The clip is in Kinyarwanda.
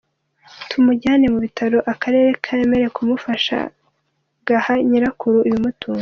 Tumujyana mu bitaro, akarere kemera kumufasha gaha Nyirakuru ibimutunga.